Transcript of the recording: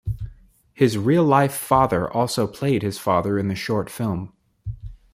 His real-life father also played his father in the short film.